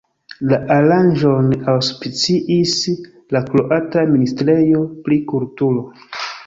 La aranĝon aŭspiciis la kroata Ministrejo pri Kulturo.